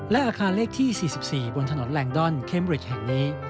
และอาคารเลขที่๔๔บนถนนแลนดอนเคมริดแห่งนี้